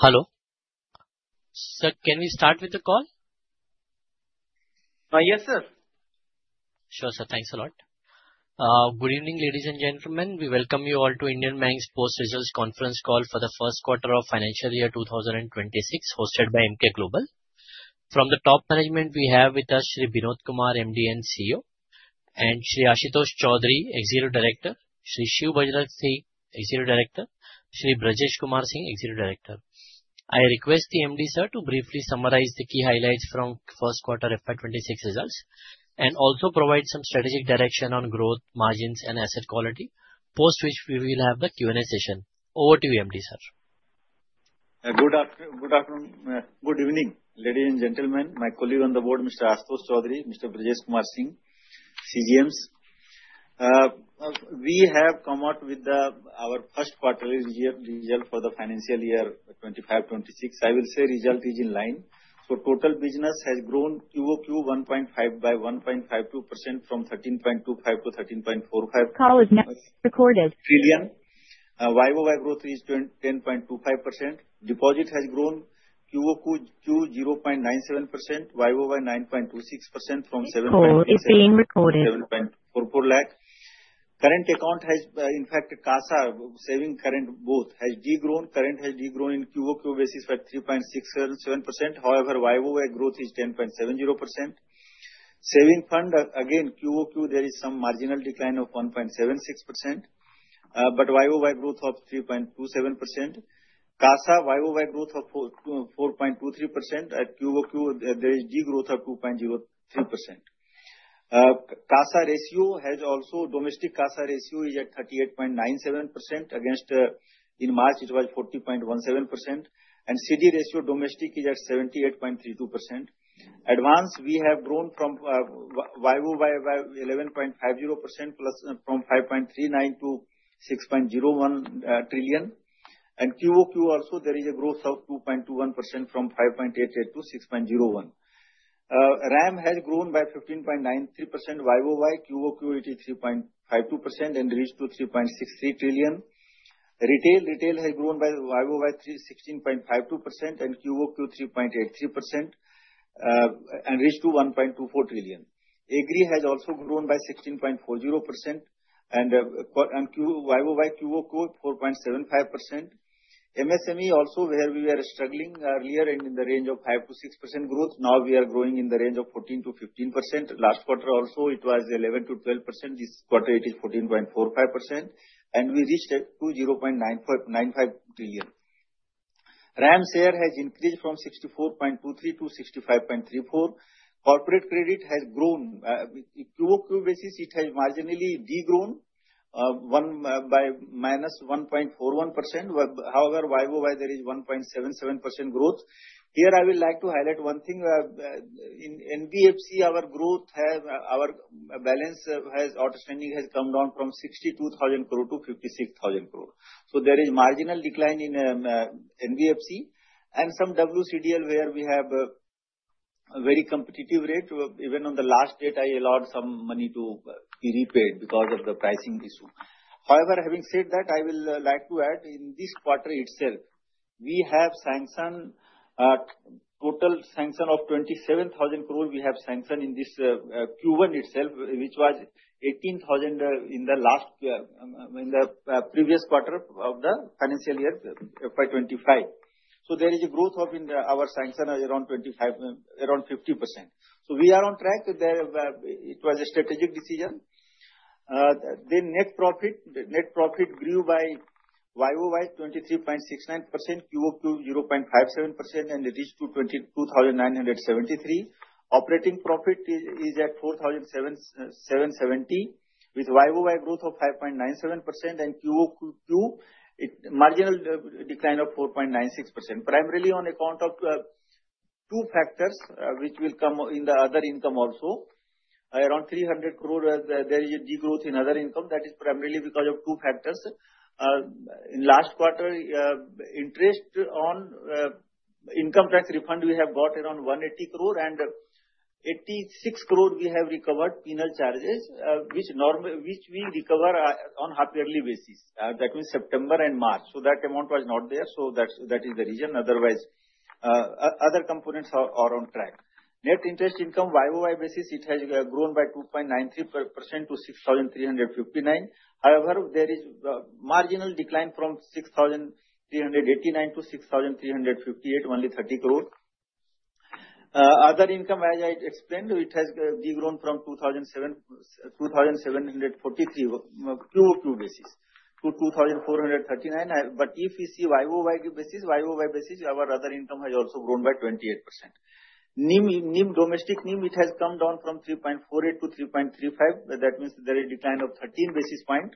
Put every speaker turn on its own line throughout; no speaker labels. Hello. Sir, can we start with the call? Yes, sir.
Sure, sir. Thanks a lot. Good evening, ladies and gentlemen. We welcome you all to Indian Bank's Post Results Conference call for the first quarter of financial year 2026, hosted by Emkay Global. From the top management, we have with us Shri Vinod Kumar, MD and CEO, and Shri Ashutosh Choudhury, Executive Director, Shri Shiv Bajrang Singh, Executive Director, Shri Brajesh Kumar Singh, Executive Director. I request the MD, sir, to briefly summarize the key highlights from first quarter FY26 results and also provide some strategic direction on growth, margins, and asset quality, post which we will have the Q&A session. Over to you, MD, sir.
Good afternoon, ladies and gentlemen. My colleague on the board, Mr. Ashutosh Choudhury, Mr. Brajesh Kumar Singh, CGMs. We have come out with our first quarterly result for the financial year 2025-26. I will say result is in line. So total business has grown QOQ 1.5 by 1.52% from 13.25 to 13.45. Trillion. YOY growth is 10.25%. Deposit has grown QOQ 0.97%, YOY 9.26% from 7.44 lakh. Current account has, in fact, CASA saving current both has degrown. Current has degrown in QOQ basis by 3.67%. However, YOY growth is 10.70%. Saving fund, again, QOQ there is some marginal decline of 1.76%, but YOY growth of 3.27%. CASA YOY growth of 4.23%. At QOQ, there is degrowth of 2.03%. CASA ratio has also domestic CASA ratio is at 38.97%. Against in March, it was 40.17%. And CD ratio domestic is at 78.32%. Advance, we have grown from YOY by 11.50% from 5.39 trillion to 6.01 trillion. And QOQ also there is a growth of 2.21% from 5.88 to 6.01. RAM has grown by 15.93%. YOY QOQ 83.52% and reached to 3.63 trillion. Retail has grown by YOY 16.52% and QOQ 3.83% and reached to 1.24 trillion. Agri has also grown by 16.40% and YOY QOQ 4.75%. MSME also where we were struggling earlier and in the range of 5%-6% growth. Now we are growing in the range of 14%-15%. Last quarter also it was 11%-12%. This quarter it is 14.45% and we reached to 0.95 trillion. RAM share has increased from 64.23 to 65.34. Corporate credit has grown. QOQ basis it has marginally degrown by -1.41%. However, YOY there is 1.77% growth. Here I would like to highlight one thing. In NBFC, our growth, our balance has outstanding has come down from 62,000 crore to 56,000 crore. So there is marginal decline in NBFC and some WCDL where we have very competitive rate. Even on the last date, I allowed some money to be repaid because of the pricing issue. However, having said that, I will like to add in this quarter itself, we have sanctioned total sanction of 27,000 crore. We have sanctioned in this Q1 itself, which was 18,000 in the previous quarter of the financial year FY25. So there is a growth of our sanction around 50%. So we are on track. It was a strategic decision. Then net profit, net profit grew by YOY 23.69%, QOQ 0.57%, and reached to 2,973. Operating profit is at 4,770 with YOY growth of 5.97% and QOQ marginal decline of 4.96%. Primarily on account of two factors which will come in the other income also. Around 300 crore there is a degrowth in other income. That is primarily because of two factors. In last quarter, interest on income tax refund we have got around 180 crore and 86 crore we have recovered penal charges which we recover on half-yearly basis. That means September and March. So that amount was not there. So that is the reason. Otherwise, other components are on track. Net interest income YOY basis it has grown by 2.93% to 6,359. However, there is marginal decline from 6,389 to 6,358, only 30 crore. Other income as I explained it has degrown from 2,743 QOQ basis to 2,439. But if we see YOY basis, YOY basis our other income has also grown by 28%. NIM, domestic NIM it has come down from 3.48 to 3.35. That means there is decline of 13 basis points.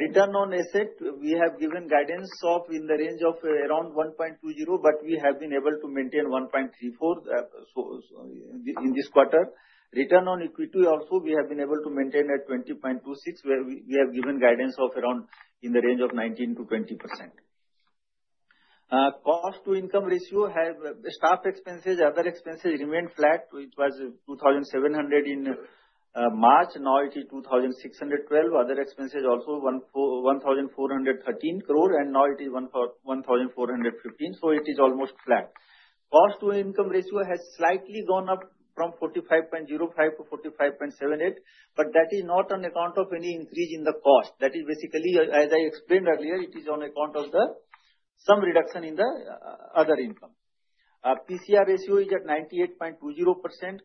Return on asset we have given guidance of in the range of around 1.20, but we have been able to maintain 1.34 in this quarter. Return on equity also we have been able to maintain at 20.26 where we have given guidance of around in the range of 19%-20%. Cost to income ratio have staff expenses, other expenses remained flat. It was 2,700 in March. Now it is 2,612. Other expenses also 1,413 crore and now it is 1,415. So it is almost flat. Cost to income ratio has slightly gone up from 45.05 to 45.78, but that is not on account of any increase in the cost. That is basically as I explained earlier it is on account of the some reduction in the other income. PCR ratio is at 98.20%.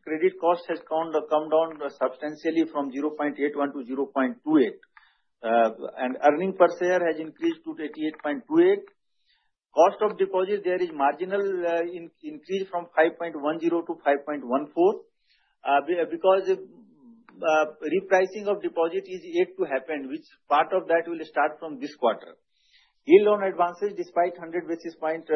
Credit cost has come down substantially from 0.81 to 0.28. And earning per share has increased to 88.28. Cost of deposit there is marginal increase from 5.10 to 5.14 because repricing of deposit is yet to happen, which part of that will start from this quarter. NIM on advances despite 100 basis point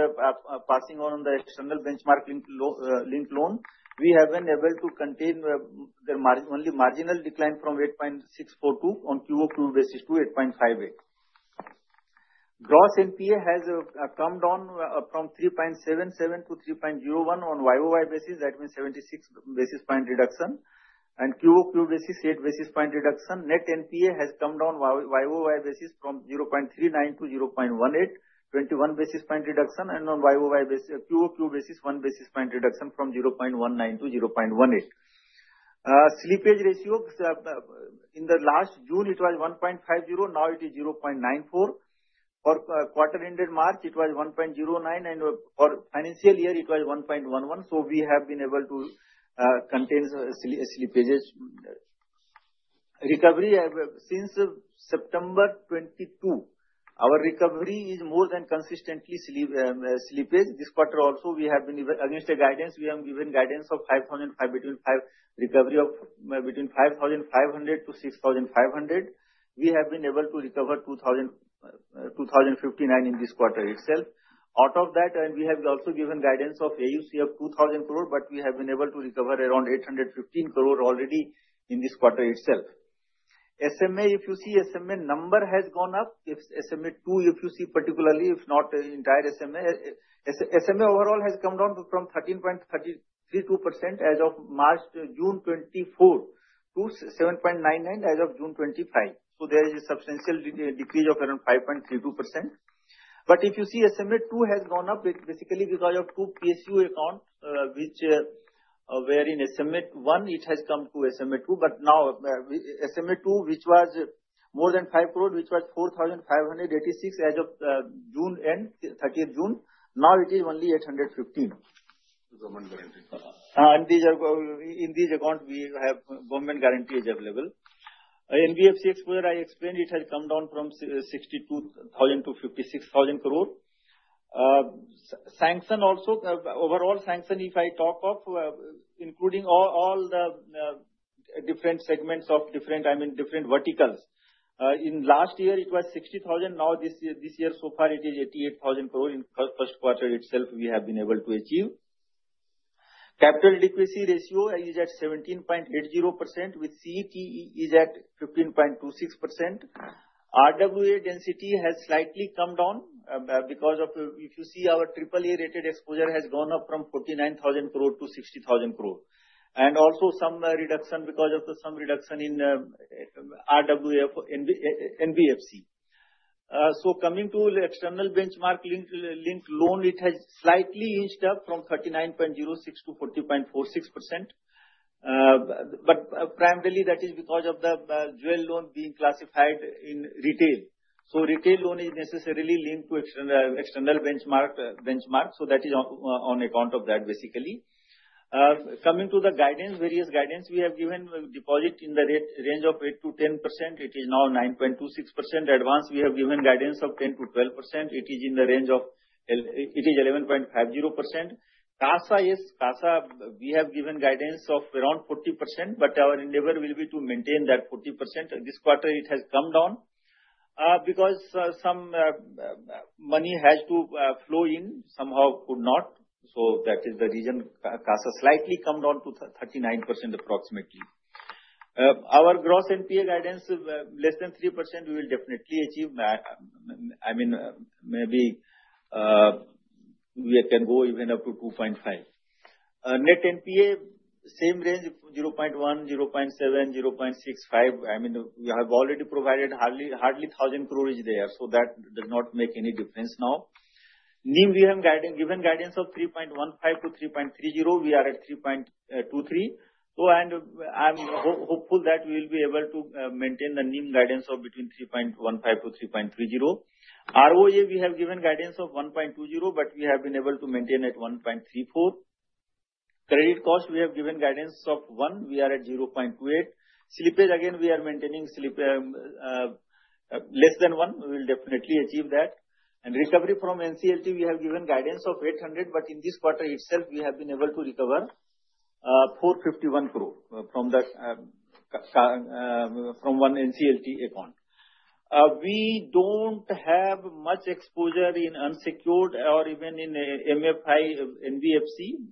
passing on the external benchmark linked loan, we have been able to contain only marginal decline from 8.642% on QOQ basis to 8.58%. Gross NPA has come down from 3.77% to 3.01% on YOY basis. That means 76 basis point reduction. And QOQ basis 8 basis point reduction. Net NPA has come down YOY basis from 0.39% to 0.18%, 21 basis point reduction. And on YOY basis QOQ basis 1 basis point reduction from 0.19% to 0.18%. Slippage ratio in the last June it was 1.50. Now it is 0.94. For quarter-ended March, it was 1.09. And for financial year, it was 1.11. So we have been able to contain slippages. Recovery since September 2022, our recovery is more than consistently slippage. This quarter also we have been against a guidance. We have given guidance of 5,500 between recovery of between 5,500-6,500. We have been able to recover 2,059 in this quarter itself. Out of that, and we have also given guidance of AUC of 2,000 crore, but we have been able to recover around 815 crore already in this quarter itself. SMA, if you see SMA number has gone up. SMA 2, if you see particularly, if not entire SMA, SMA overall has come down from 13.32% as of March, June 2024 to 7.99% as of June 2025. So there is a substantial decrease of around 5.32%. But if you see SMA 2 has gone up basically because of two PSU account which were in SMA 1, it has come to SMA 2. But now SMA 2, which was more than 5 crore, which was 4,586 as of June end, 30th June 2024, now it is only 815. Government guarantee. In these accounts, we have government guarantee is available. NBFC exposure, I explained it has come down from 62,000 crore to 56,000 crore. Sanction also, overall sanction if I talk of including all the different segments of different, I mean different verticals. In last year, it was 60,000. Now this year, so far it is 88,000 crore in first quarter itself we have been able to achieve. Capital liquidity ratio is at 17.80% with CET1 is at 15.26%. RWA density has slightly come down because of if you see our AAA rated exposure has gone up from 49,000 crore to 60,000 crore. And also some reduction because of the some reduction in RWA NBFC. Coming to external benchmark linked loan, it has slightly inched up from 39.06% to 40.46%. But primarily that is because of the dual loan being classified in retail. Retail loan is necessarily linked to external benchmark. So that is on account of that basically. Coming to the guidance, various guidance we have given deposit in the range of 8-10%. It is now 9.26%. Advance we have given guidance of 10-12%. It is in the range of it is 11.50%. CASA is CASA we have given guidance of around 40%, but our endeavor will be to maintain that 40%. This quarter it has come down because some money has to flow in, somehow could not. So that is the reason CASA slightly come down to 39% approximately. Our gross NPA guidance less than 3% we will definitely achieve. I mean maybe we can go even up to 2.5%. Net NPA same range 0.1%-0.7%, 0.65%. I mean we have already provided hardly 1,000 crore is there. So that does not make any difference now. NIM, we have given guidance of 3.15%-3.30%. We are at 3.23%. So and I'm hopeful that we will be able to maintain the NIM guidance of between 3.15% to 3.30%. ROA, we have given guidance of 1.20%, but we have been able to maintain at 1.34%. Credit cost, we have given guidance of 1%. We are at 0.28%. Slippage, again we are maintaining less than 1%. We will definitely achieve that. And recovery from NCLT, we have given guidance of 800, but in this quarter itself we have been able to recover 451 crore from one NCLT account. We don't have much exposure in unsecured or even in MFI NBFC.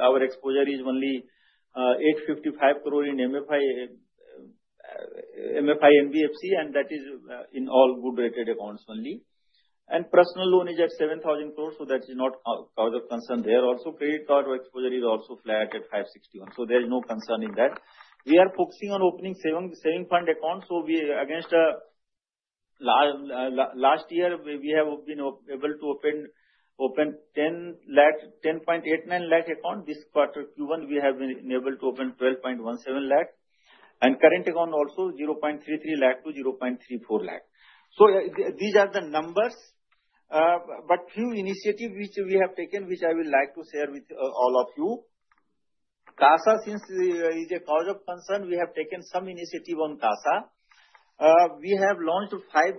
Our exposure is only 855 crore in MFI NBFC and that is in all good rated accounts only. And personal loan is at 7,000 crore. So that is not cause of concern there. Also credit card exposure is also flat at 561. So there is no concern in that. We are focusing on opening savings account. So as against last year we have been able to open 10.89 lakh accounts. This quarter Q1 we have been able to open 12.17 lakh. And current account also 0.33 lakh to 0.34 lakh. So these are the numbers. But a few initiatives which we have taken which I would like to share with all of you. CASA, since it is a cause of concern, we have taken some initiatives on CASA. We have launched five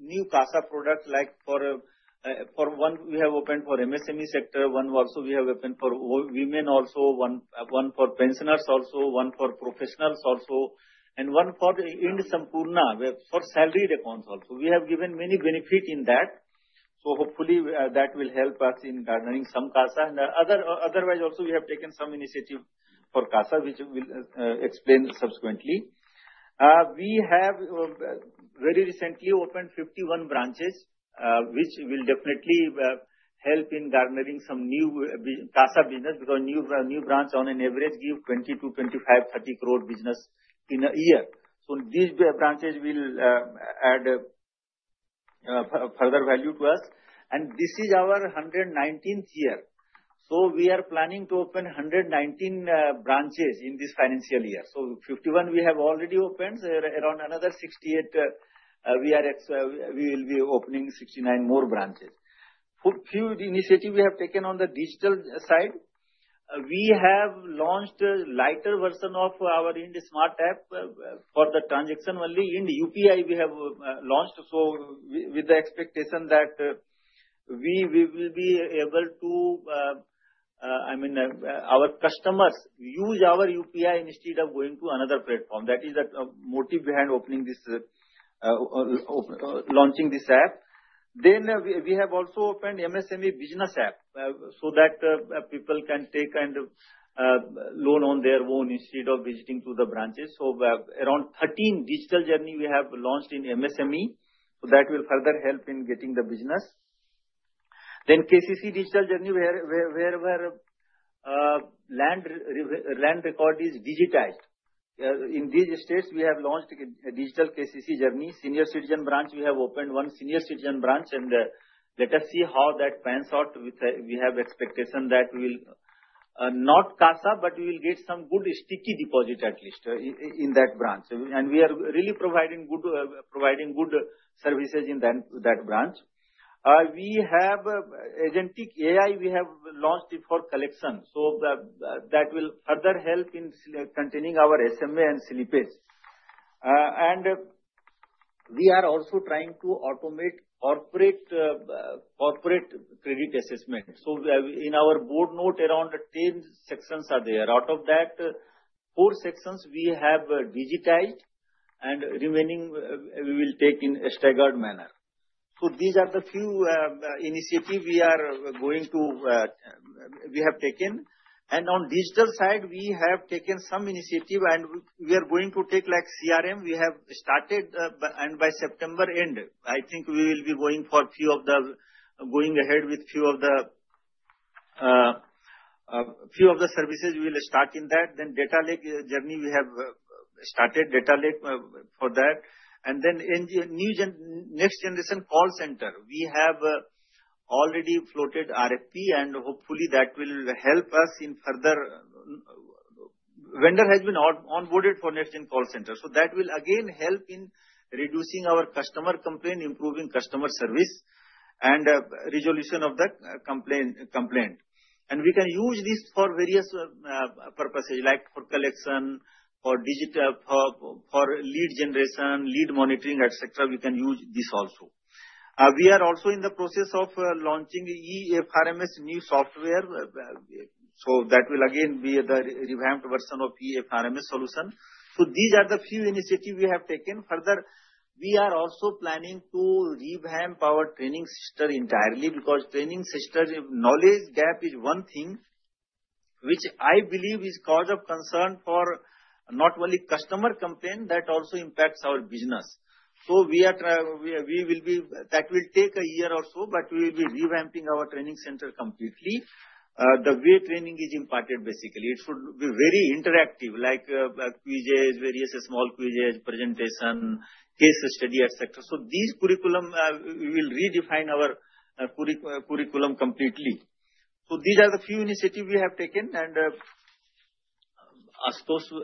new CASA products like for one we have opened for MSME sector. One also we have opened for women, also one for pensioners, also one for professionals, also and one for Ind Sampoorna for salaried accounts also. We have given many benefits in that. Hopefully that will help us in gathering some CASA. Otherwise also we have taken some initiative for CASA which we will explain subsequently. We have very recently opened 51 branches which will definitely help in gathering some new CASA business because new branch on an average give 20-25, 30 crore business in a year. These branches will add further value to us. This is our 119th year. We are planning to open 119 branches in this financial year. We have already opened 51. Around another 68 we will be opening 69 more branches. Few initiatives we have taken on the digital side. We have launched a lighter version of our IndSmart app for the transaction only. Ind UPI we have launched, so with the expectation that we will be able to, I mean, our customers use our UPI instead of going to another platform. That is the motive behind opening this, launching this app. Then we have also opened MSME business app so that people can take and loan on their own instead of visiting to the branches. So around 13 digital journey we have launched in MSME. So that will further help in getting the business. Then KCC digital journey where land record is digitized. In these states we have launched digital KCC journey. Senior citizen branch we have opened one senior citizen branch, and let us see how that pans out. We have expectation that we will not CASA but we will get some good sticky deposit at least in that branch, and we are really providing good services in that branch. We have Agentic AI we have launched for collection. So that will further help in containing our SMA and slippage. And we are also trying to automate corporate credit assessment. So in our board note around 10 sections are there. Out of that, four sections we have digitized and remaining we will take in a staggered manner. So these are the few initiatives we are going to we have taken. And on digital side we have taken some initiatives and we are going to take like CRM we have started and by September end I think we will be going ahead with a few of the services we will start in that. Then Data Lake journey we have started Data Lake for that. And then, new Next Generation call center we have already floated RFP and hopefully that will help us in further vendor has been onboarded for next in call center. So that will again help in reducing our customer complaint, improving customer service, and resolution of the complaint. And we can use this for various purposes like for collection, for digital, for lead generation, lead monitoring, etc. We can use this also. We are also in the process of launching EFRMS new software. So that will again be the revamped version of EFRMS solution. So these are the few initiative we have taken. Further, we are also planning to revamp our training system entirely because training system knowledge gap is one thing which I believe is cause of concern for not only customer complaint that also impacts our business. So we will be that will take a year or so but we will be revamping our training center completely. The way training is imparted basically. It should be very interactive like quizzes, various small quizzes, presentation, case study, etc. So this curriculum we will redefine our curriculum completely. So these are the few initiatives we have taken and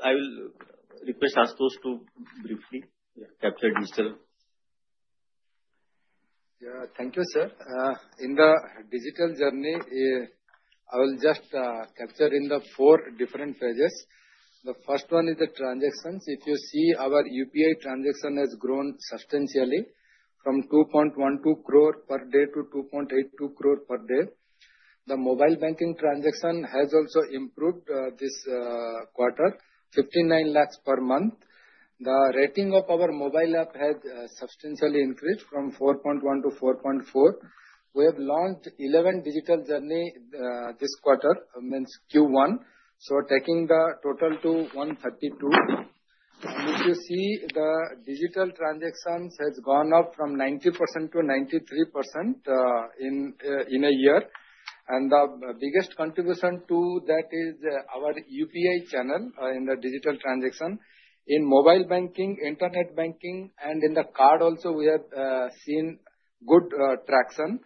I will request Ashutosh to briefly capture digital.
Yeah, thank you sir. In the digital journey, I will just capture in the four different phases. The first one is the transactions. If you see our UPI transactions have grown substantially from 2.12 crore per day to 2.82 crore per day. The mobile banking transactions have also improved this quarter, 59 lakhs per month. The rating of our mobile app has substantially increased from 4.1 to 4.4. We have launched 11 digital journeys this quarter, means Q1. So taking the total to 132. And if you see the digital transactions has gone up from 90% to 93% in a year. And the biggest contribution to that is our UPI channel in the digital transaction. In mobile banking, internet banking, and in the card also we have seen good traction.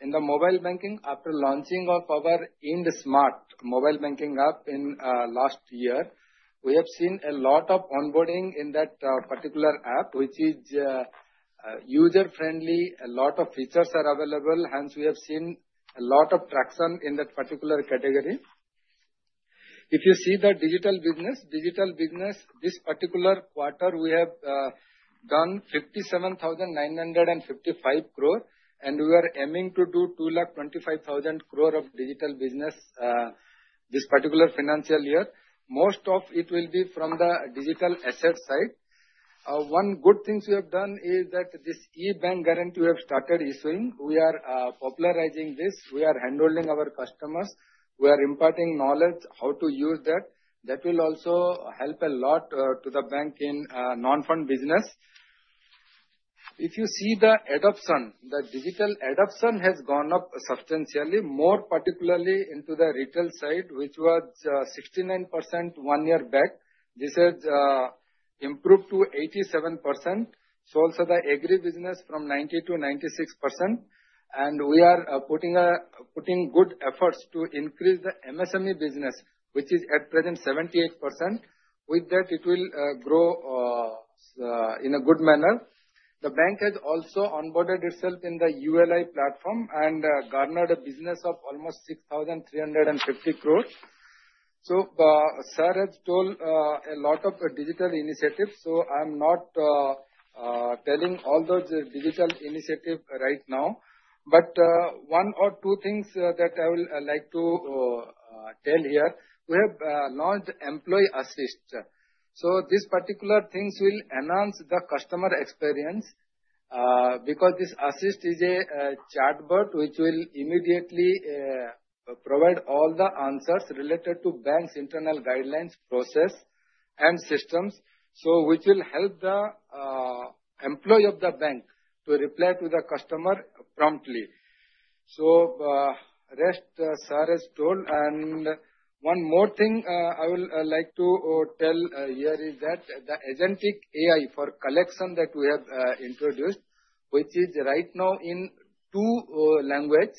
In the mobile banking, after launching of our Ind Smart mobile banking app in last year, we have seen a lot of onboarding in that particular app which is user-friendly. A lot of features are available. Hence, we have seen a lot of traction in that particular category. If you see the digital business, digital business, this particular quarter we have done 57,955 crore and we are aiming to do 225,000 crore of digital business this particular financial year. Most of it will be from the digital asset side. One good thing we have done is that this e-Bank Guarantee we have started issuing. We are popularizing this. We are handholding our customers. We are imparting knowledge how to use that. That will also help a lot to the bank in non-fund business. If you see the adoption, the digital adoption has gone up substantially, more particularly into the retail side which was 69% one year back. This has improved to 87%, so also the agri business from 90% to 96%. And we are putting good efforts to increase the MSME business which is at present 78%. With that, it will grow in a good manner. The bank has also onboarded itself in the ULI platform and garnered a business of almost 6,350 crore. So sir has told a lot of digital initiatives. So I'm not telling all those digital initiatives right now. But one or two things that I will like to tell here. We have launched employee assist. So this particular things will enhance the customer experience because this assist is a chatbot which will immediately provide all the answers related to bank's internal guidelines, process, and systems. So which will help the employee of the bank to reply to the customer promptly. So rest sir has told. And one more thing I will like to tell here is that the Agentic AI for collection that we have introduced, which is right now in two language,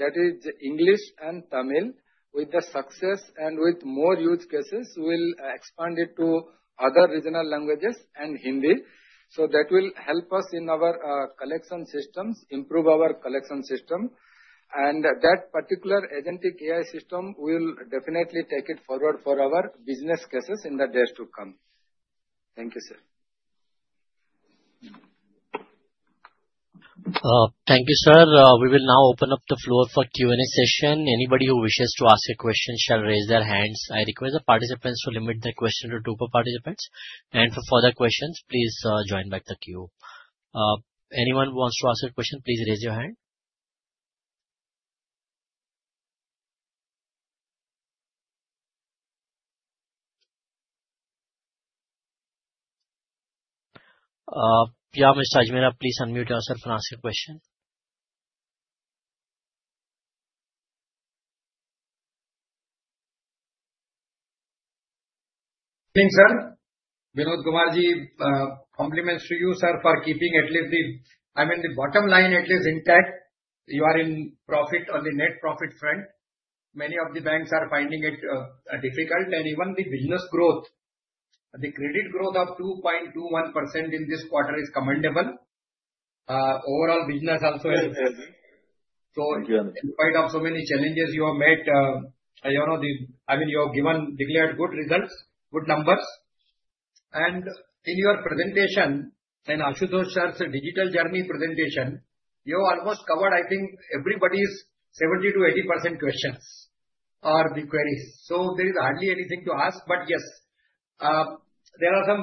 that is English and Tamil, with the success and with more use cases, we will expand it to other regional languages and Hindi. So that will help us in our collection systems, improve our collection system. And that particular agentic AI system will definitely take it forward for our business cases in the days to come.
Thank you sir. Thank you sir. We will now open up the floor for Q&A session. Anybody who wishes to ask a question shall raise their hands. I request the participants to limit their question to two participants. And for further questions, please join back the queue. Anyone who wants to ask a question, please raise your hand. Yeah, Mr. Ajmera, please unmute yourself and ask your question. Thank you sir. Vinod Kumar ji, compliments to you sir for keeping at least the I mean the bottom line at least intact. You are in profit on the net profit front. Many of the banks are finding it difficult and even the business growth, the credit growth of 2.21% in this quarter is commendable. Overall business also is.
Thank you sir. So in spite of so many challenges you have met, I mean you have given declared good results, good numbers. And in your presentation and Ashutosh sir's digital journey presentation, you almost covered I think everybody's 70%-80% questions or the queries. So there is hardly anything to ask. But yes, there are some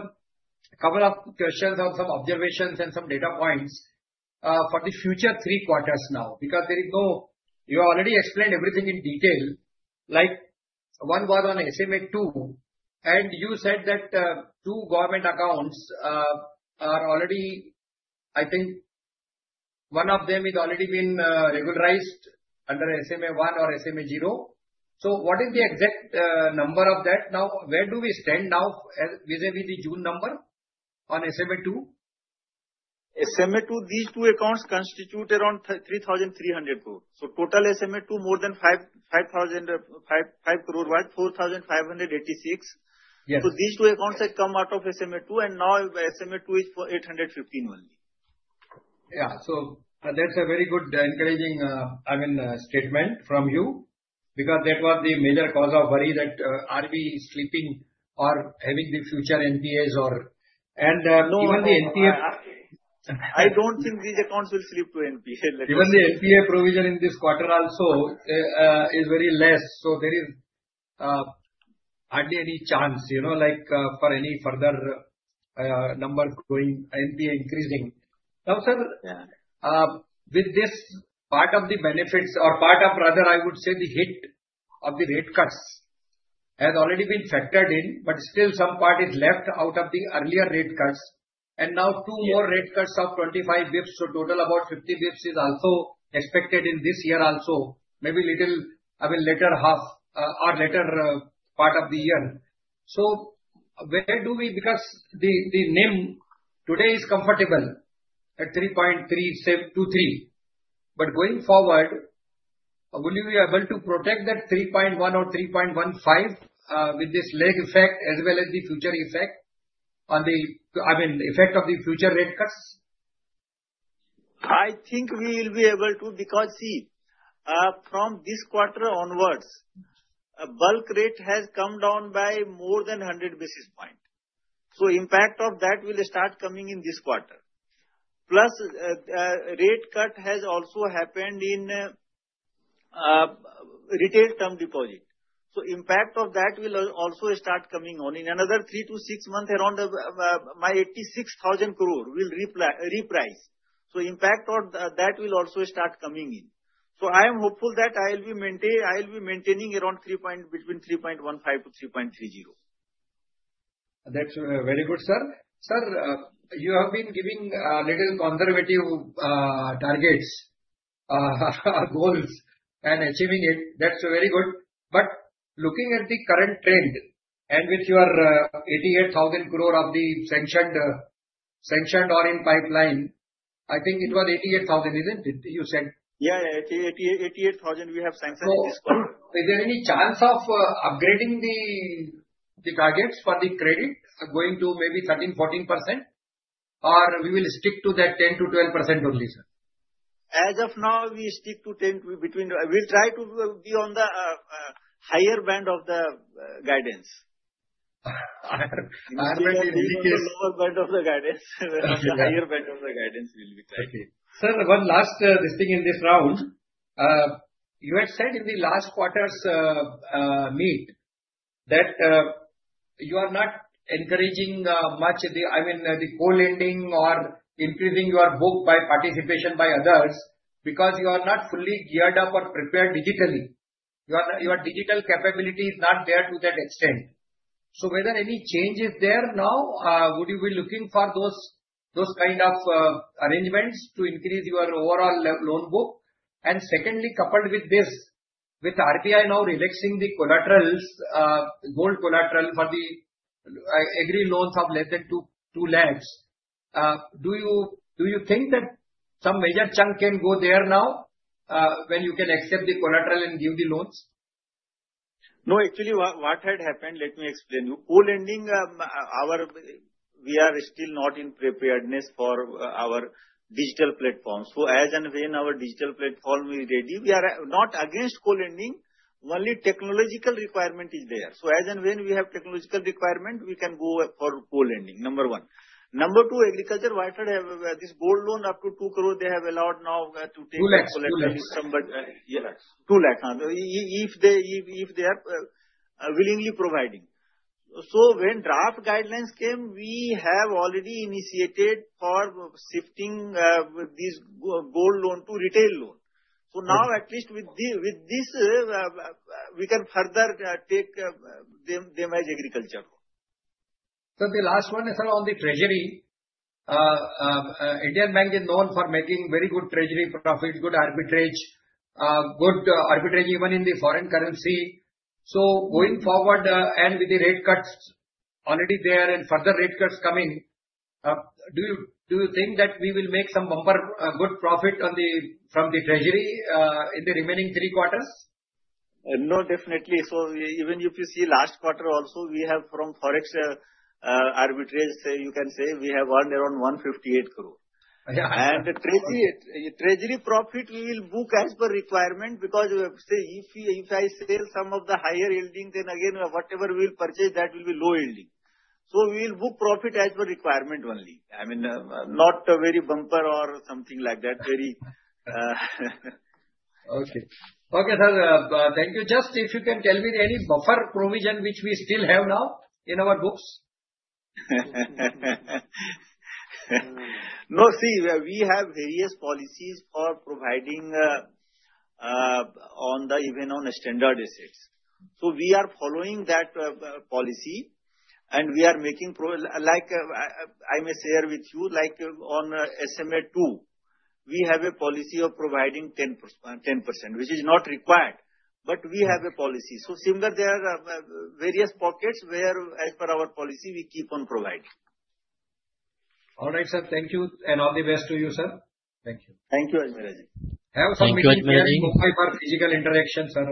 couple of questions on some observations and some data points for the future three quarters now because there is no. You already explained everything in detail. Like one was on SMA 2 and you said that two government accounts are already I think one of them is already been regularized under SMA 1 or SMA 0. So what is the exact number of that now? Where do we stand now vis-à-vis the June number on SMA 2? SMA 2, these two accounts constitute around 3,300 crore. So total SMA 2 more than 5,000 crore was 4,586. So these two accounts have come out of SMA 2 and now SMA 2 is for 815 only. Yeah, so that's a very good encouraging, I mean, statement from you because that was the major cause of worry that RBI slippage or having the future NPAs or. No. Even the NPA. I don't think these accounts will slip to NPA. Even the NPA provision in this quarter is also very less. So there is hardly any chance, you know, like for any further numbers going NPA increasing. Now sir, with this part of the benefits or part of rather I would say the hit of the rate cuts has already been factored in but still some part is left out of the earlier rate cuts, and now two more rate cuts of 25 basis points. So total about 50 basis points is also expected in this year also maybe little, I mean, later half or later part of the year. So where do we because the NIM today is comfortable at 3.3723. But going forward, will you be able to protect that 3.1 or 3.15 with this lag effect as well as the future effect on the, I mean, effect of the future rate cuts? I think we will be able to because see from this quarter onwards, bulk rate has come down by more than 100 basis points. So impact of that will start coming in this quarter. Plus rate cut has also happened in retail term deposit. So impact of that will also start coming on in another three to six months around my 86,000 crore will reprice. So impact of that will also start coming in. So I am hopeful that I will be maintaining around between 3.15% to 3.30%. That's very good, sir. Sir, you have been giving little conservative targets, goals and achieving it. That's very good. But looking at the current trend and with your 88,000 crore of the sanctioned or in pipeline, I think it was 88,000 isn't it you said? Yeah, 88,000 we have sanctioned this quarter. Is there any chance of upgrading the targets for the credit going to maybe 13%-14% or we will stick to that 10%-12% only sir? As of now, we stick to 10 between. We'll try to be on the higher band of the guidance. I'm in the lower band of the guidance. Higher band of the guidance will be trying. Okay. Sir, one last question in this round. You had said in the last quarter's meeting that you are not encouraging much the, I mean, the co-lending or increasing your book by participation by others because you are not fully geared up or prepared digitally. Your digital capability is not there to that extent. So whether any change is there now, would you be looking for those kind of arrangements to increase your overall loan book? And secondly, coupled with this, with RBI now relaxing the collaterals, gold collateral for the agri loans of less than 2 lakhs, do you think that some major chunk can go there now when you can accept the collateral and give the loans? No, actually what had happened. Let me explain you. Co-lending, we are still not in preparedness for our digital platform. So as and when our digital platform is ready, we are not against co-lending. Only technological requirement is there. So as and when we have technological requirement, we can go for co-lending, number one. Number two, agriculture wanted this gold loan up to two crore. They have allowed now to take two lakhs. 2 lakhs. 2 lakhs. If they are willingly providing. So when draft guidelines came, we have already initiated for shifting this gold loan to retail loan. So now at least with this, we can further take them as agriculture. So the last one is on the treasury. Indian Bank is known for making very good treasury profit, good arbitrage, good arbitrage even in the foreign currency. So going forward and with the rate cuts already there and further rate cuts coming, do you think that we will make some bumper good profit from the treasury in the remaining three quarters? No, definitely. So even if you see last quarter also, we have from forex arbitrage, you can say we have earned around 158 crore. And treasury profit we will book as per requirement because if I sell some of the higher yielding, then again whatever we will purchase, that will be low yielding. So we will book profit as per requirement only. I mean not very bumper or something like that. Okay. Okay sir, thank you. Just if you can tell me any buffer provision which we still have now in our books? No, see, we have various policies for providing even on standard assets. So we are following that policy and we are making like I may share with you like on SMA 2, we have a policy of providing 10% which is not required but we have a policy. So similar there are various pockets where as per our policy we keep on providing. All right sir, thank you and all the best to you sir. Thank you. Thank you Ajmera ji. Have some meeting with me for physical interaction, sir.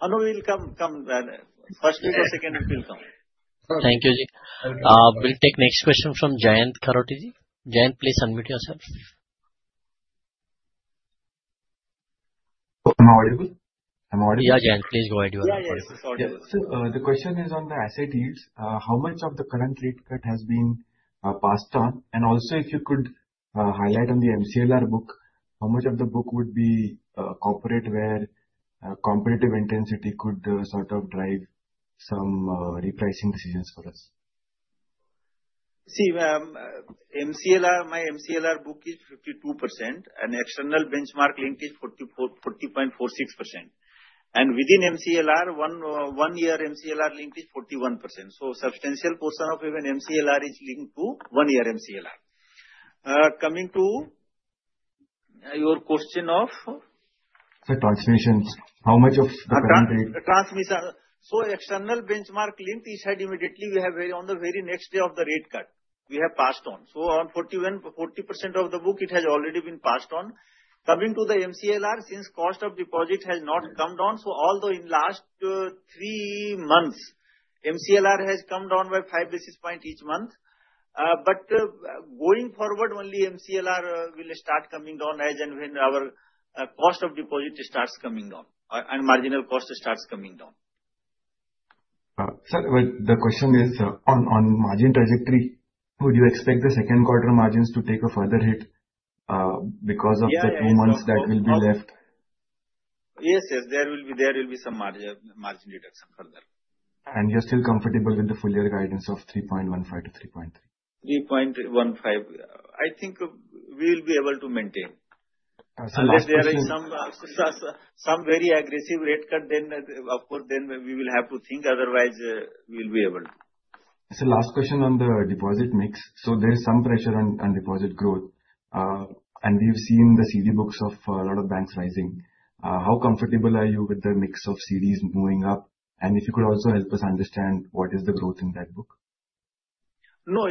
Anu, we will come. Come first week or second week, we will come.
Thank you ji. We'll take next question from Jayant Kharote ji. Jayant, please unmute yourself. I'm audible? Yeah Jayant, please go ahead. The question is on the asset yields. How much of the current rate cut has been passed on? And also if you could highlight on the MCLR book, how much of the book would be corporate where competitive intensity could sort of drive some repricing decisions for us?
See, my MCLR book is 52% and external benchmark link is 40.46%. And within MCLR, one year MCLR link is 41%. So substantial portion of even MCLR is linked to one year MCLR. Coming to your question of. Sir, transmissions. How much of the current rate? So, external benchmark linked has immediately we have, on the very next day of the rate cut, we have passed on. So, on 40% of the book, it has already been passed on. Coming to the MCLR, since cost of deposit has not come down, so although in last three months MCLR has come down by 5 basis points each month, but going forward only MCLR will start coming down as and when our cost of deposit starts coming down and marginal cost starts coming down. Sir, the question is on margin trajectory. Would you expect the second quarter margins to take a further hit because of the two months that will be left? Yes, yes. There will be some margin reduction further. You're still comfortable with the full year guidance of 3.15%-3.3%? 3.15%. I think we will be able to maintain. Last question. If there is some very aggressive rate cut, then of course then we will have to think, otherwise we will be able to. Sir, last question on the deposit mix. So there is some pressure on deposit growth and we've seen the CD books of a lot of banks rising. How comfortable are you with the mix of CDs moving up? And if you could also help us understand what is the growth in that book? No,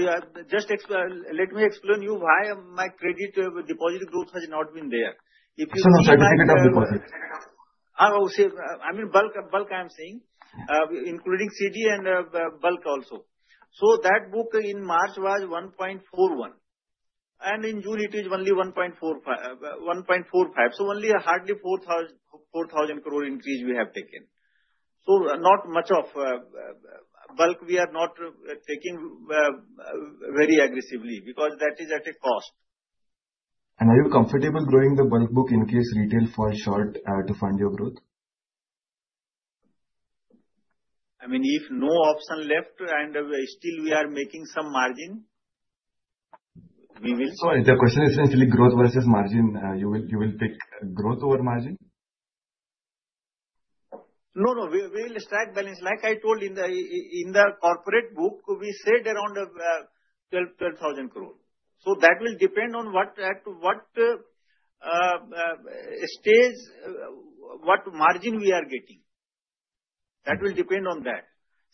just let me explain to you why my credit deposit growth has not been there. If you. Sir, no certificate of deposit. I mean bulk I am saying including CD and bulk also. So that book in March was 1.41 and in June it is only 1.45. So only hardly 4,000 crore increase we have taken. So not much of bulk we are not taking very aggressively because that is at a cost. Are you comfortable growing the bulk book in case retail falls short to fund your growth? I mean if no option left and still we are making some margin, we will. Sorry, the question is essentially growth versus margin. You will pick growth over margin? No, no. We will strike balance. Like I told in the corporate book, we said around 12,000 crore. So that will depend on what stage, what margin we are getting. That will depend on that.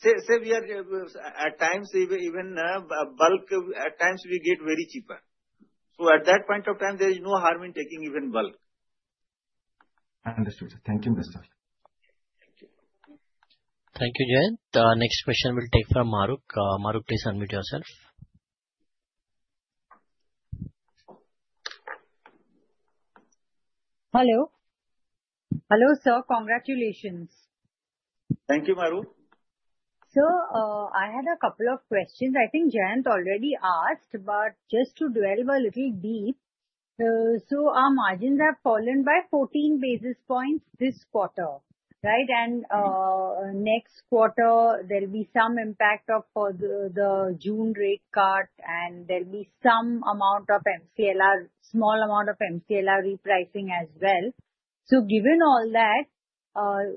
Say we are at times even bulk, at times we get very cheaper. So at that point of time, there is no harm in taking even bulk. Understood. Thank you, Mr. Thank you.
Thank you Jayant. Next question we'll take from Mahrukh. Mahrukh, please unmute yourself. Hello. Hello sir, congratulations.
Thank you, Mahrukh. Sir, I had a couple of questions. I think Jayant already asked but just to dwell a little deep. So our margins have fallen by 14 basis points this quarter, right? And next quarter there will be some impact of the June rate cut and there will be some amount of MCLR, small amount of MCLR repricing as well. So given all that,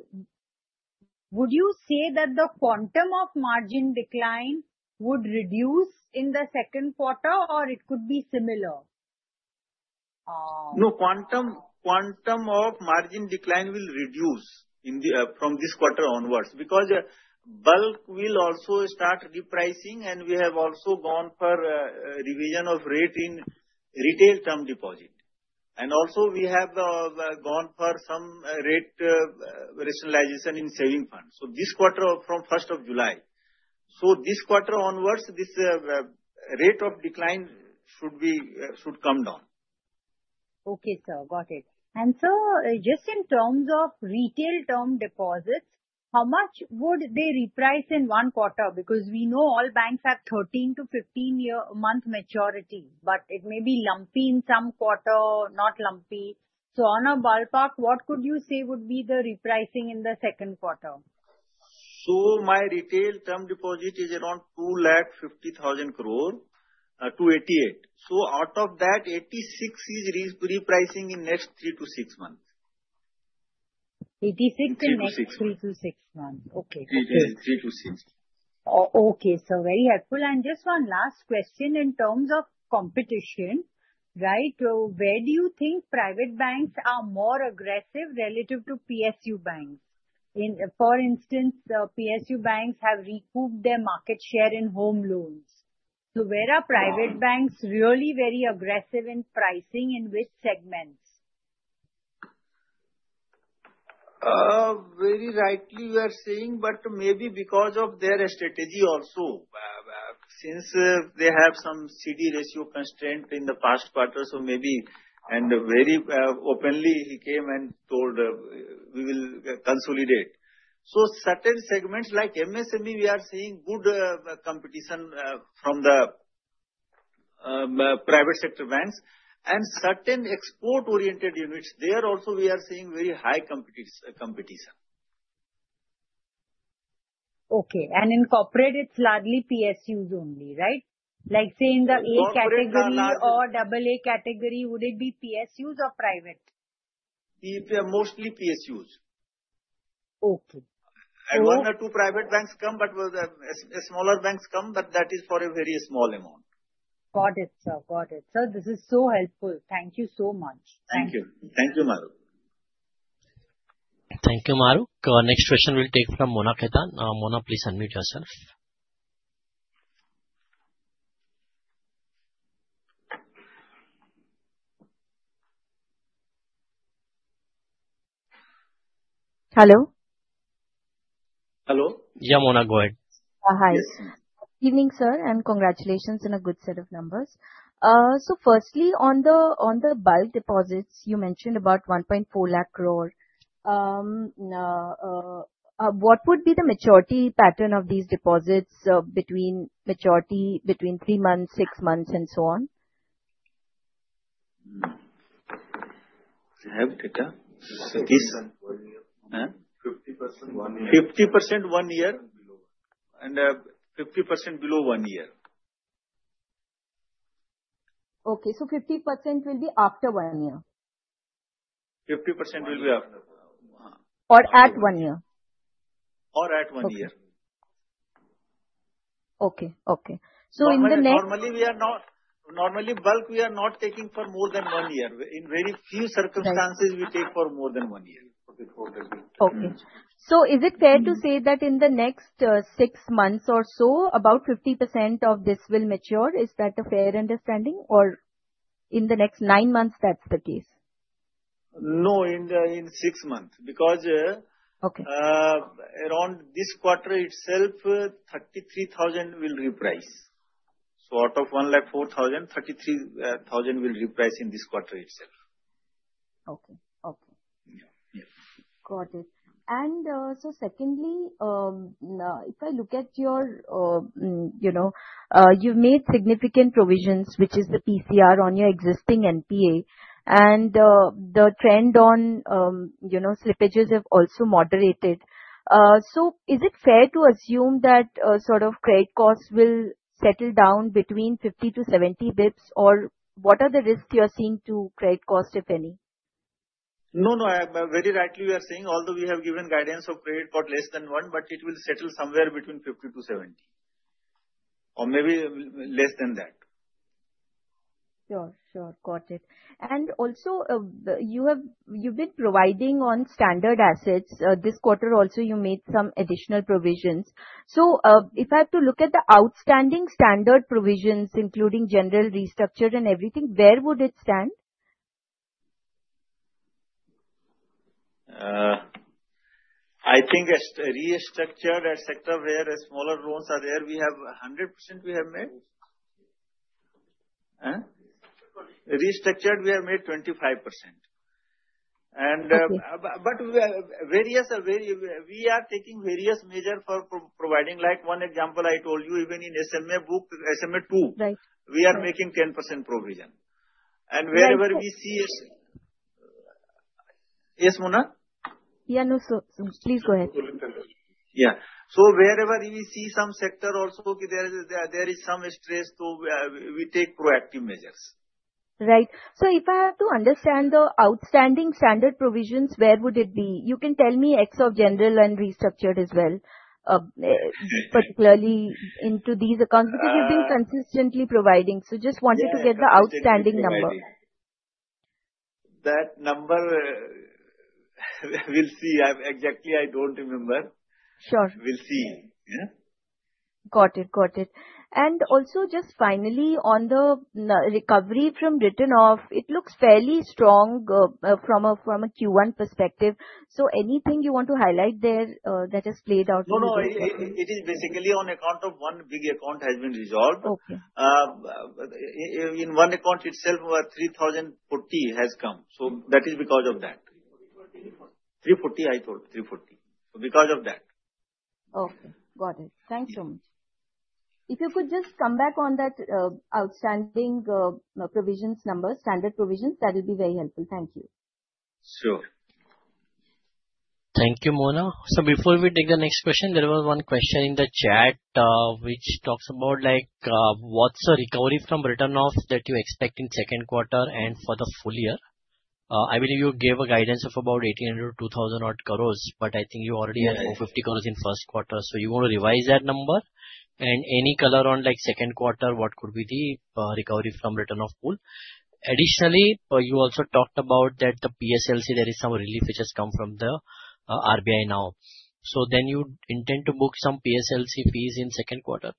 would you say that the quantum of margin decline would reduce in the second quarter or it could be similar? No, quantum of margin decline will reduce from this quarter onwards because bulk will also start repricing and we have also gone for revision of rate in retail term deposit, and also we have gone for some rate rationalization in savings funds, so this quarter from 1st of July, so this quarter onwards, this rate of decline should come down. Okay, sir, got it. And sir, just in terms of retail term deposits, how much would they reprice in one quarter? Because we know all banks have 13-15 month maturity but it may be lumpy in some quarter, not lumpy. So on a ballpark, what could you say would be the repricing in the second quarter? So my retail term deposit is around 250,000 crore, 288. So out of that, 86 is repricing in next three to six months. 86 in next three to six months. Okay. 3 to 6. Okay, sir, very helpful. And just one last question in terms of competition, right? Where do you think private banks are more aggressive relative to PSU banks? For instance, PSU banks have recouped their market share in home loans. So where are private banks really very aggressive in pricing in which segments? Very rightly you are saying, but maybe because of their strategy also. Since they have some CD ratio constraint in the past quarter, so maybe, and very openly he came and told we will consolidate. So certain segments like MSME, we are seeing good competition from the private sector banks. Certain export oriented units, there also we are seeing very high competition. Okay. And in corporate, it's largely PSUs only, right? Like, say, in the A category or AA category, would it be PSUs or private? Mostly PSUs. Okay. One or two private banks come, but smaller banks come, but that is for a very small amount. Got it sir, got it. Sir, this is so helpful. Thank you so much. Thank you. Thank you Mahrukh.
Thank you Mahrukh. Next question we'll take from Mona Khetan. Mona, please unmute yourself. Hello.
Hello?
Yeah, Mona, go ahead. Hi. Good evening, sir, and congratulations on a good set of numbers. So firstly, on the bulk deposits, you mentioned about 1.4 lakh crore. What would be the maturity pattern of these deposits between three months, six months, and so on?
50% one year. 50% one year. And 50% below one year. Okay. So 50% will be after one year. 50% will be after. Or at one year. Or at one year. Okay. So in the next. Normally bulk we are not taking for more than one year. In very few circumstances, we take for more than one year. Okay. So is it fair to say that in the next six months or so, about 50% of this will mature? Is that a fair understanding? Or in the next nine months, that's the case? No, in six months. Because around this quarter itself, 33,000 will reprice. So out of 104,000, 33,000 will reprice in this quarter itself. Okay. Okay. Got it. And so secondly, if I look at your, you've made significant provisions, which is the PCR on your existing NPA, and the trend on slippages have also moderated. So is it fair to assume that sort of credit costs will settle down between 50 to 70 basis points? Or what are the risks you're seeing to credit cost, if any? No, no. Very rightly you are saying, although we have given guidance of credit for less than one, but it will settle somewhere between 50 to 70. Or maybe less than that. Sure. Sure. Got it. And also, you've been provisioning on standard assets. This quarter also, you made some additional provisions. So if I have to look at the outstanding standard provisions, including general restructured and everything, where would it stand? I think restructured in sector where smaller loans are there, we have 100%. We have made restructured, we have made 25%. But we are taking various measures for provisioning. Like one example I told you, even in SMA 2, we are making 10% provision, and wherever we see, yes, Mona? Yeah, no. So please go ahead. Yeah, so wherever we see some sector also there is some stress, so we take proactive measures. Right. So if I have to understand the outstanding standard provisions, where would it be? You can tell me X of general and restructured as well. Particularly into these accounts because you've been consistently providing. So just wanted to get the outstanding number. That number, we'll see. Exactly, I don't remember. Sure. We'll see. Got it. Got it. And also just finally, on the recovery from written off, it looks fairly strong from a Q1 perspective. So anything you want to highlight there that has played out in the year? No, no. It is basically on account of one big account has been resolved. In one account itself, 3,040 has come. So that is because of that. 340, I told you. 340. So because of that. Okay. Got it. Thanks so much. If you could just come back on that outstanding provisions number, standard provisions, that will be very helpful. Thank you. Sure.
Thank you, Mona. So before we take the next question, there was one question in the chat which talks about what's the recovery from written off that you expect in second quarter and for the full year? I believe you gave a guidance of about 1,800-2,000 crores, but I think you already had 450 crores in first quarter. So you want to revise that number? And any color on second quarter, what could be the recovery from written off pool? Additionally, you also talked about that the PSLC, there is some relief which has come from the RBI now. So then you intend to book some PSLC fees in second quarter?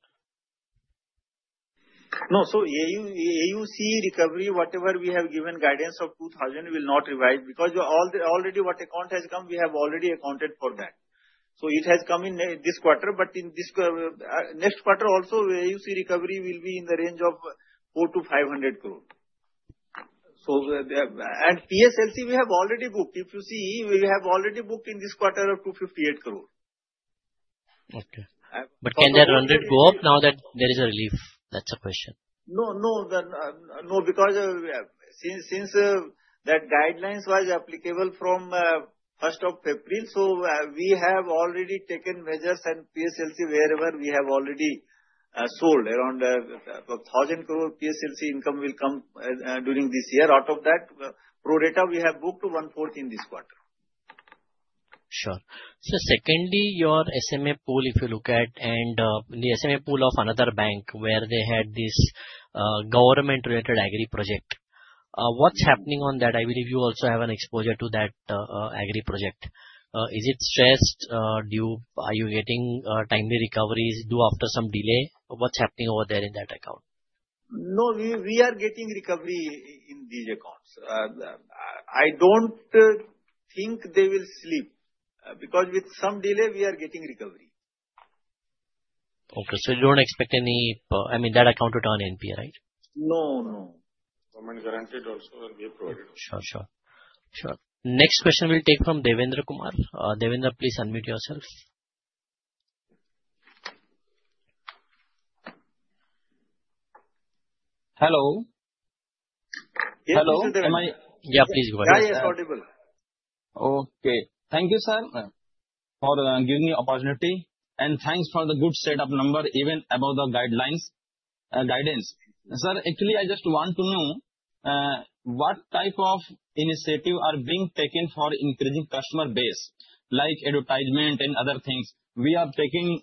No. So, AUC recovery, whatever we have given guidance of 2,000, will not revise because already what account has come, we have already accounted for that. So, it has come in this quarter, but in this next quarter also, AUC recovery will be in the range of 400-500 crore. And PSLC, we have already booked. If you see, we have already booked in this quarter of 258 crore.
Okay, but can that run rate go up now that there is a relief? That's a question.
No, no. No, because since that guidelines was applicable from 1st of April, so we have already taken measures and PSLC wherever we have already sold around 1,000 crore PSLC income will come during this year. Out of that, pro rata we have booked 1/4 in this quarter.
Sure. So secondly, your SMA pool, if you look at, and the SMA pool of another bank where they had this government-related agri project, what's happening on that? I believe you also have an exposure to that agri project. Is it stressed? Are you getting timely recoveries? Do you offer some delay? What's happening over there in that account?
No, we are getting recovery in these accounts. I don't think they will slip. Because with some delay, we are getting recovery.
Okay. So you don't expect any, I mean, that account to turn NPA, right?
No, no. Government guaranteed also and we have provided.
Sure. Sure. Sure. Next question we'll take from Devendra Kumar. Devendra, please unmute yourself. Hello?
Yes, Devendra. Yeah, please go ahead. Yeah, yes, audible. Okay. Thank you, sir, for giving me opportunity. And thanks for the good setup number, even above the guidance. Sir, actually, I just want to know what type of initiative are being taken for increasing customer base, like advertisement and other things. We are taking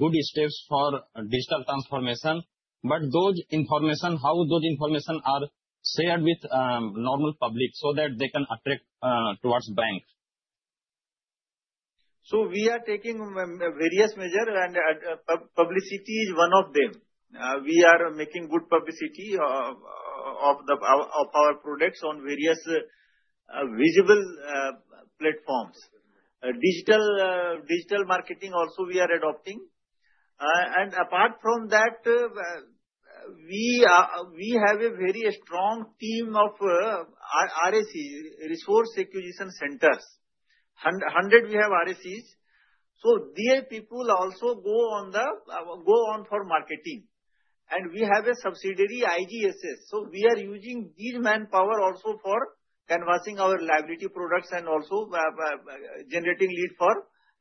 good steps for digital transformation, but how those information are shared with normal public so that they can attract towards bank? So we are taking various measures and publicity is one of them. We are making good publicity of our products on various visible platforms. Digital marketing also we are adopting. And apart from that, we have a very strong team of RAC, Resource Acquisition Centers. 100 we have RACs. So these people also go on for marketing. And we have a subsidiary IGSS. So we are using these manpower also for canvassing our liability products and also generating lead for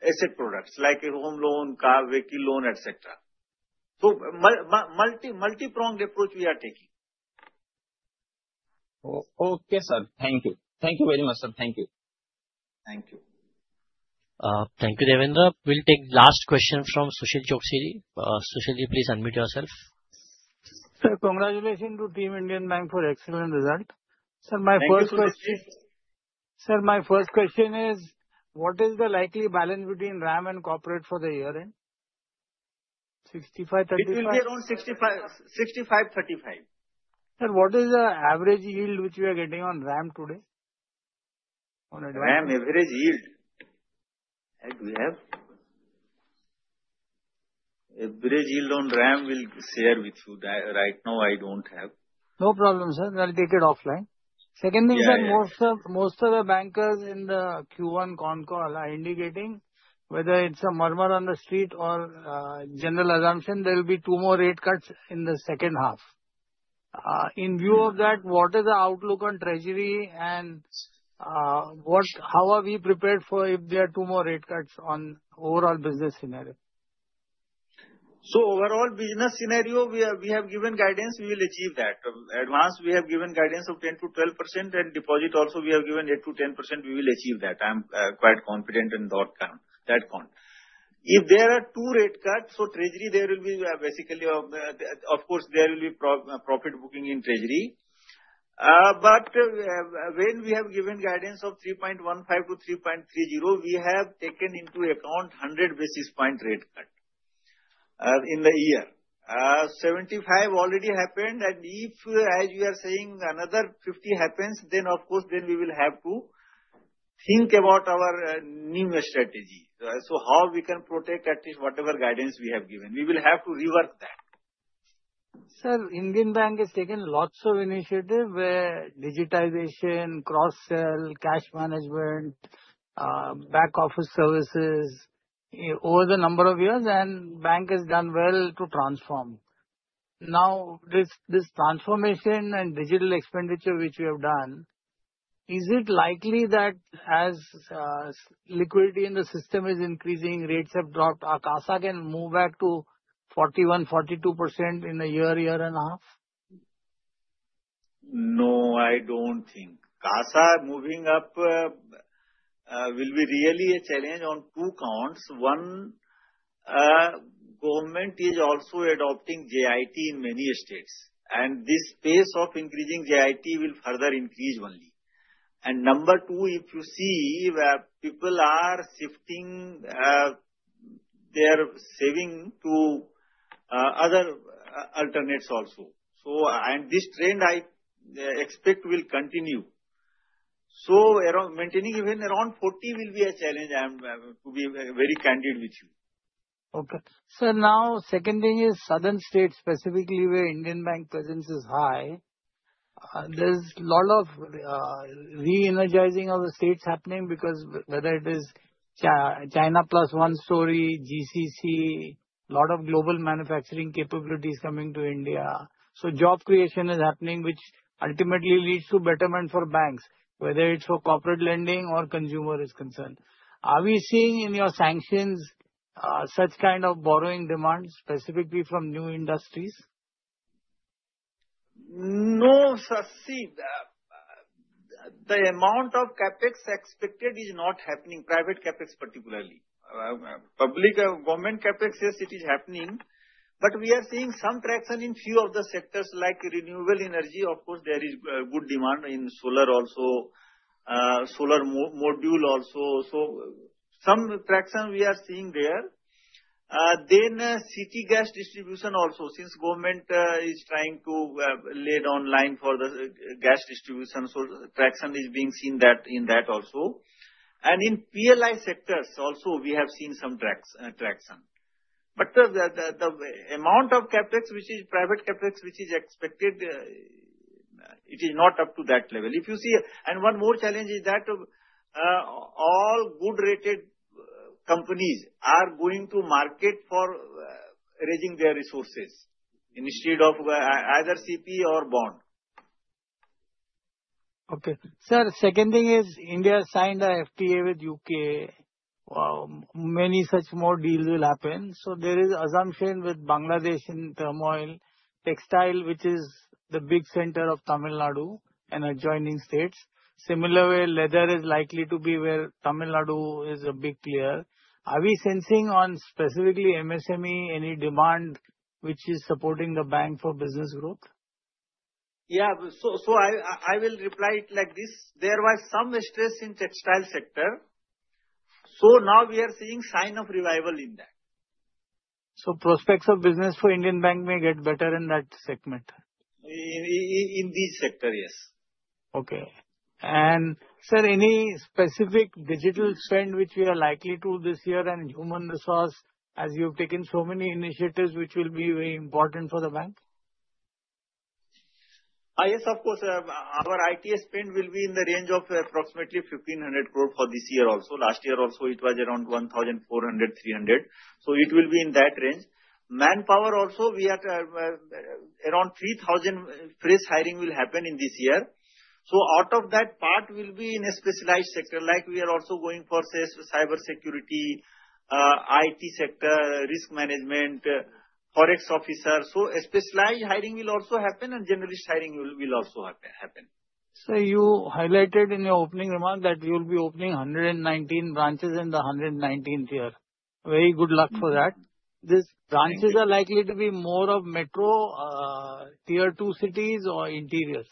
asset products like home loan, car, vehicle loan, etc. So multi-pronged approach we are taking. Okay, sir. Thank you. Thank you very much, sir. Thank you. Thank you.
Thank you, Devendra. We'll take last question from Sushil Choksey. Sushilji, please unmute yourself. Sir, congratulations to Team Indian Bank for excellent result. Sir, my first question is, what is the likely balance between RAM and corporate for the year end? 65, 35?
It will be around 65, 35. Sir, what is the average yield which we are getting on RAM today? RAM average yield? We have? Average yield on RAM we'll share with you. Right now, I don't have. No problem, sir. I'll take it offline. Second thing, sir, most of the bankers in the Q1 con call are indicating whether it's a murmur on the street or general assumption there will be two more rate cuts in the second half. In view of that, what is the outlook on treasury and how are we prepared for if there are two more rate cuts on overall business scenario? So overall business scenario, we have given guidance we will achieve that. Advance, we have given guidance of 10%-12% and deposit also we have given 8%-10% we will achieve that. I'm quite confident in that count. If there are two rate cuts, so treasury there will be basically, of course, there will be profit booking in treasury. But when we have given guidance of 3.15%-3.30%, we have taken into account 100 basis point rate cut in the year. 75 already happened. And if, as you are saying, another 50 happens, then of course, then we will have to think about our new strategy. So how we can protect at least whatever guidance we have given. We will have to rework that. Sir, Indian Bank has taken lots of initiative where digitization, cross-sell, cash management, back office services over the number of years, and bank has done well to transform. Now, this transformation and digital expenditure which we have done, is it likely that as liquidity in the system is increasing, rates have dropped, our CASA can move back to 41%-42% in a year, year and a half? No, I don't think. CASA moving up will be really a challenge on two counts. One, government is also adopting JIT in many states. And this pace of increasing JIT will further increase only. And number two, if you see people are shifting their savings to other alternatives also. And this trend I expect will continue. So maintaining even around 40 will be a challenge, to be very candid with you. Okay. Sir, now, second thing is southern states, specifically where Indian Bank presence is high. There's a lot of re-energizing of the states happening because whether it is China plus one story, GCC, a lot of global manufacturing capabilities coming to India. So job creation is happening, which ultimately leads to betterment for banks, whether it's for corporate lending or consumer is concerned. Are we seeing in your sanctions such kind of borrowing demand specifically from new industries? No, sir. See, the amount of CapEx expected is not happening, private CapEx particularly. Public government CapEx, yes, it is happening, but we are seeing some traction in few of the sectors like renewable energy. Of course, there is good demand in solar also, solar module also, so some traction we are seeing there. Then city gas distribution also, since government is trying to lay down line for the gas distribution, so traction is being seen in that also, and in PLI sectors also, we have seen some traction. But the amount of CapEx, which is private CapEx, which is expected, it is not up to that level, and one more challenge is that all good-rated companies are going to market for raising their resources instead of either CP or bond. Okay. Sir, second thing is India signed a FTA with U.K. Many such more deals will happen. So there is assumption with Bangladesh in turmoil, textile, which is the big center of Tamil Nadu and adjoining states. Similar way, leather is likely to be where Tamil Nadu is a big player. Are we sensing on specifically MSME any demand which is supporting the bank for business growth? Yeah. So I will reply it like this. There was some stress in textile sector. So now we are seeing sign of revival in that. So prospects of business for Indian Bank may get better in that segment? In this sector, yes. Okay. And sir, any specific digital trend which we are likely to this year and human resource, as you've taken so many initiatives which will be very important for the bank? Yes, of course. Our ITS spend will be in the range of approximately 1,500 crore for this year also. Last year also, it was around 1,400, 300. So it will be in that range. Manpower also, we are around 3,000 fresh hiring will happen in this year. So out of that part, we'll be in a specialized sector. Like we are also going for cyber security, IT sector, risk management, forex officer. So specialized hiring will also happen and generalist hiring will also happen. Sir, you highlighted in your opening remark that you'll be opening 119 branches in the 119th year. Very good luck for that. These branches are likely to be more of metro tier two cities or interiors.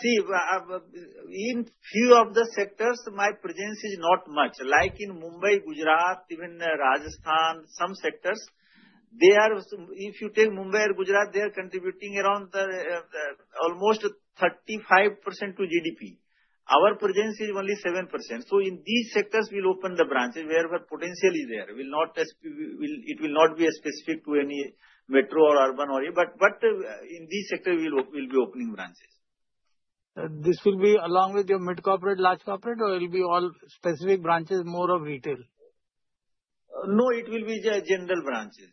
See, in few of the sectors, my presence is not much. Like in Mumbai, Gujarat, even Rajasthan, some sectors, if you take Mumbai or Gujarat, they are contributing around almost 35% to GDP. Our presence is only 7%. So in these sectors, we'll open the branches wherever potential is there. It will not be specific to any metro or urban area. But in these sectors, we'll be opening branches. This will be along with your mid-corporate, large-corporate, or will be all specific branches more of retail? No, it will be general branches.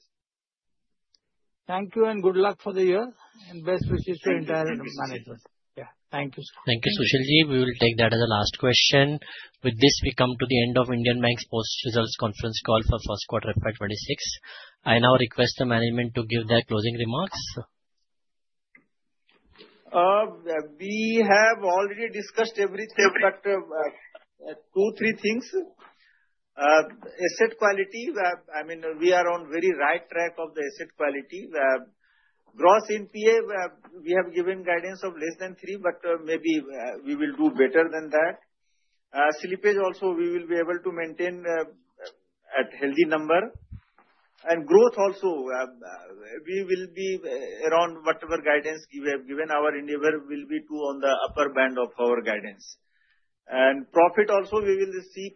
Thank you and good luck for the year. And best wishes to entire management. Yeah. Thank you, sir.
Thank you, Sushilji. We will take that as a last question. With this, we come to the end of Indian Bank's post-results conference call for first quarter FY26. I now request the management to give their closing remarks.
We have already discussed everything, but two, three things. Asset quality, I mean, we are on very right track of the asset quality. Gross NPA, we have given guidance of less than three, but maybe we will do better than that. Slippage also, we will be able to maintain at healthy number. Growth also, we will be around whatever guidance we have given. Our endeavor will be to on the upper band of our guidance. Profit also, we will see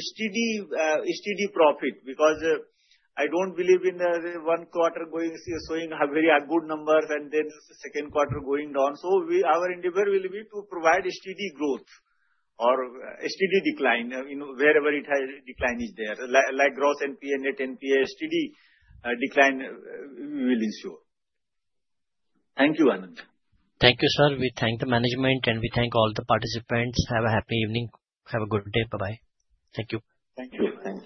steady profit because I don't believe in one quarter going showing very good numbers and then the second quarter going down. Our endeavor will be to provide steady growth or steady decline wherever decline is there. Like gross NPA, net NPA, steady decline we will ensure. Thank you, Anand.
Thank you, sir. We thank the management and we thank all the participants. Have a happy evening. Have a good day. Bye-bye. Thank you.
Thank you.